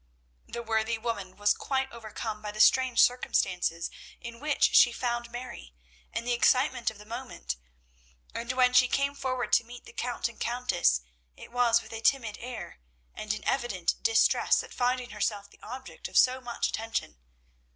The worthy woman was quite overcome by the strange circumstances in which she found Mary, and the excitement of the moment; and when she came forward to meet the Count and Countess, it was with a timid air, and in evident distress at finding herself the object of so much attention.